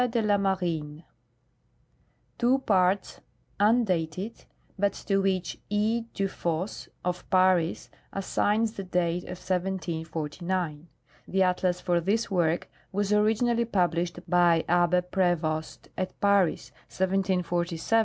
de la Marine," two parts, undated, but to which E. Dufosse, of Paris, assigns the date of 1749. The atlas for this work was originally published by Abbe Prevost at Paris, 1747, et seq.